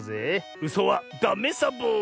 うそはダメサボ！